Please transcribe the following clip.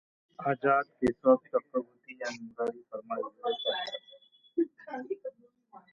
Azad, Keshab Chakravarthy and Murari Sharma evaded capture.